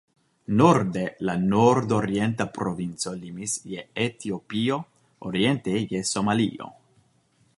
Norde la nordorienta provinco limis je Etiopio, oriente je Somalio.